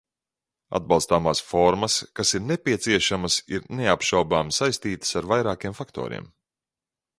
Atbalstāmās formas, kas ir nepieciešamas, ir, neapšaubāmi, saistītas ar vairākiem faktoriem.